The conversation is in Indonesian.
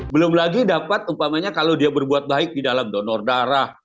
belum lagi dapat umpamanya kalau dia berbuat baik di dalam donor darah